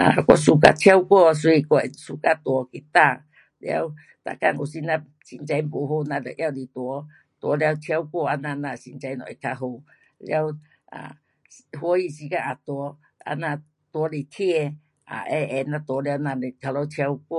um 我 suka 唱歌所以我会 suka 弹吉他，了每天有时咱心情不好咱就拿来弹，弹了唱歌啊那那心情就会较好。了 um 欢喜时间也弹，这样弹来听 um 闲闲那弹了咱就那里唱歌。